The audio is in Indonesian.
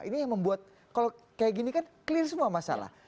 ini yang membuat kalau kayak gini kan clear semua masalah